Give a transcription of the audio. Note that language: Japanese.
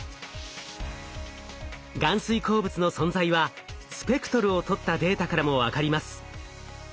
含水鉱物の存在はスペクトルを取ったデータからも分かります。